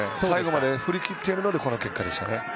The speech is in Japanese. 最後まで振り切っていたのでこの結果でしたね。